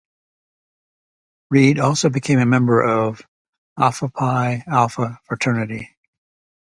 Reid also became a member of Alpha Phi Alpha fraternity.